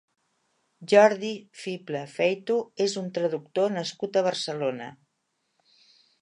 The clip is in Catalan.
Jordi Fibla Feito és un traductor nascut a Barcelona.